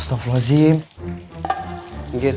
kok cuma minggir